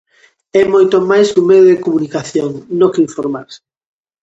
É moito máis que un medio de comunicación no que informarse.